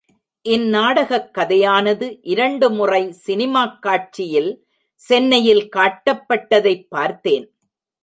இந் நாடகக் கதையானது இரண்டு முறை சினிமாக் காட்சியில் சென்னையில் காட்டப்பட்டதைப் பார்த்தேன்.